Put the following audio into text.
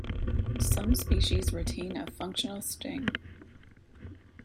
Some species retain a functional sting.